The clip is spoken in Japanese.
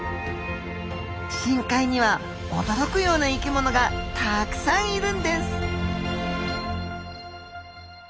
深海には驚くような生きものがたくさんいるんです。